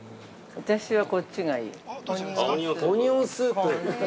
◆私はこっちがいい！